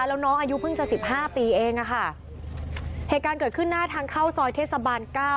แล้วน้องอายุเพิ่งจะสิบห้าปีเองอ่ะค่ะเหตุการณ์เกิดขึ้นหน้าทางเข้าซอยเทศบาลเก้า